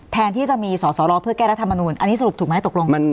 แทนที่จะมีสอสรเพื่อแก้รัฐมนูลอันนี้สรุปถูกไหมตกลง